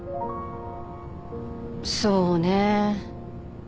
そうね。